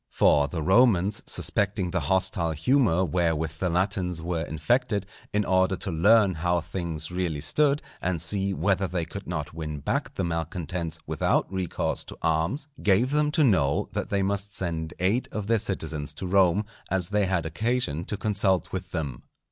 For the Romans suspecting the hostile humour wherewith the Latins were infected, in order to learn how things really stood, and see whether they could not win back the malcontents without recourse to arms, gave them to know that they must send eight of their citizens to Rome, as they had occasion to consult with them.